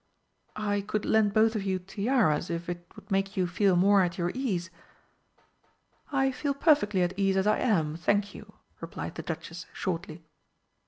"I could lend both of you tiaras, if it would make you feel more at your ease." "I feel perfectly at ease as I am, thank you," replied the Duchess shortly.